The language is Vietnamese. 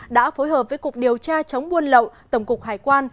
đã phối hợp với cục điều tra chống buôn lậu tổng cục hải quan